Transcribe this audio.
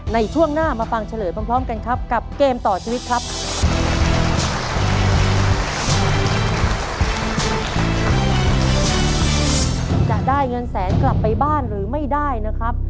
ในช่วงหน้ามาฟังเฉลยพร้อมกันครับกับเกมต่อชีวิตครับ